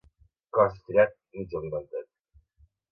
Cos estirat, mig alimentat.